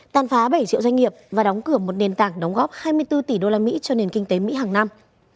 tàn phá bảy triệu doanh nghiệp và đóng cửa một nền tảng đóng góp hai mươi bốn tỷ usd cho nền kinh tế mỹ hàng năm